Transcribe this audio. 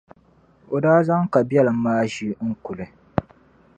o daa zaŋ kabiɛlim maa ʒi n-kuli.